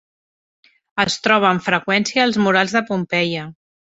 Es troba amb freqüència als murals de Pompeia.